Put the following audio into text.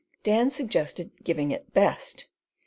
Dan suggested "giving it best."